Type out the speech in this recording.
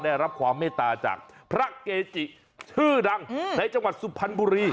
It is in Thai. ได้รับความเมตตาจากพระเกจิชื่อดังในจังหวัดสุพรรณบุรี